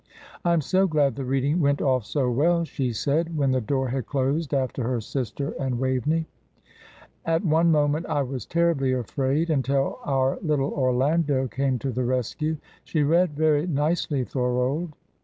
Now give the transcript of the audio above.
"I am so glad the reading went off so well," she said, when the door had closed after her sister and Waveney. "At one moment I was terribly afraid, until our little Orlando came to the rescue. She read very nicely, Thorold."